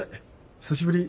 久しぶり。